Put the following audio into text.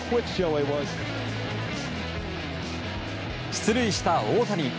出塁した大谷。